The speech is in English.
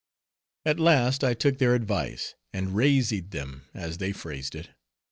At last, I took their advice, and "razeed" them, as they phrased it.